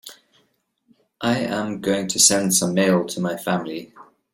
I am going to send some mail to my family.